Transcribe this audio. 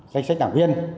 danh sách đảng viên